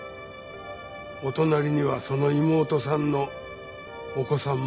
お隣にはその妹さんのお子さんも。